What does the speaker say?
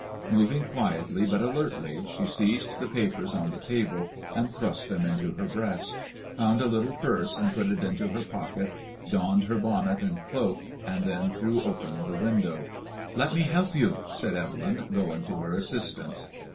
Moving quietly but alertly, she seized the papers on the table and thrust them into her breast ; found a little purse and put it into her pocket; donned her bonnet and cloak, and then threw open the window. ''Let me help you," said Evelyn, going to her assistance.